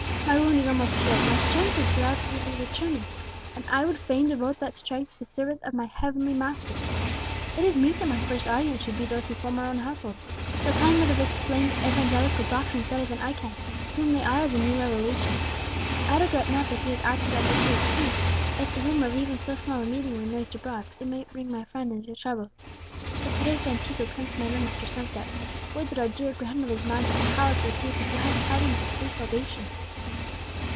My wound is almost healed, my strength is gradually returning, and I would fain devote that strength to the service of my Heavenly Master. It is meet that my first audience should be those who form our own household. Lepine would have explained evangelical doctrines better than I can, to whom they are as a new revelation; yet I regret not that he is absent at Madrid, since, if the rumour of even so small a meeting were noised abroad, it might bring my friend into trouble. Let Teresa and Chico come to my room after sunset; would that our dear grandmother's mind had power to receive the glad tidings of free salvation!"